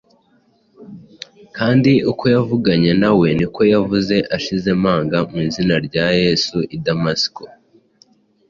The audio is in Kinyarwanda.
kandi uko yavuganye na we, n’uko yavuze ashize amanga mu izina rya Yesu i Damasiko.”